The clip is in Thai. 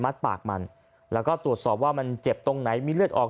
ปากมันแล้วก็ตรวจสอบว่ามันเจ็บตรงไหนมีเลือดออก